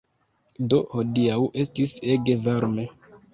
Do, hodiaŭ estis ege varme